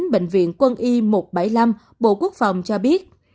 bệnh viện quân y một trăm bảy mươi năm bộ quốc phòng cho biết